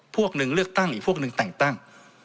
พวกหนึ่งเลือกตั้งอีกพวกหนึ่งแต่งตั้ง